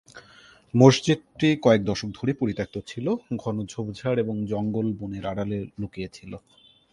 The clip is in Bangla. মসজিদটি কয়েক দশক ধরে পরিত্যক্ত ছিল, ঘন ঝোপঝাড় এবং জঙ্গল বনের আড়ালে লুকিয়ে ছিল।